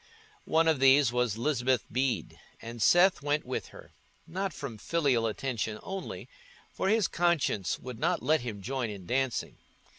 One of these was Lisbeth Bede, and Seth went with her—not from filial attention only, for his conscience would not let him join in dancing.